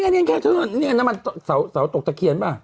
นี่ไงน้ำมันสาวตกตะเคียนป่ะ